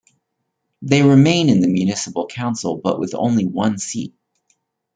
They remain in the municipal council but with only one seat.